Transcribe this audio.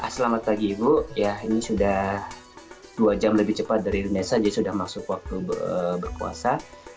selamat pagi ibu ya ini sudah dua jam lebih cepat dari indonesia jadi sudah masuk waktu berpuasa